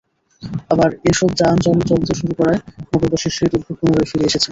আবার এসব যান চলতে শুরু করায় নগরবাসীর সেই দুর্ভোগ পুনরায় ফিরে এসেছে।